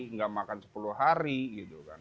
nggak makan sepuluh hari gitu kan